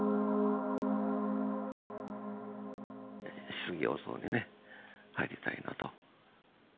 質疑応答にね入りたいなと。